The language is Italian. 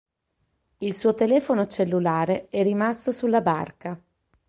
Il suo telefono cellulare è rimasto sulla barca.